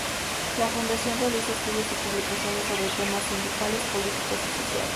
La Fundación realiza estudios y publicaciones sobre temas sindicales, políticos y sociales.